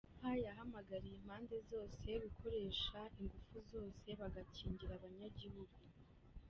Papa yahamagariye impande zose gukoresha inguvu zose bagakingira abanyagihugu.